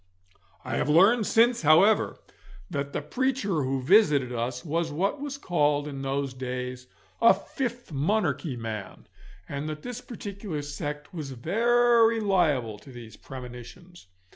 I have learned since, however, that the preacher who visited us was what was called in those days a fifth monarchy man, and that this particular sect was very liable to these premonitions.